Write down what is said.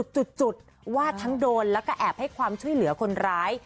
จุดวาดทั้งโดนแล้วก็แอบให้ความช่วยเหลือคนร้าย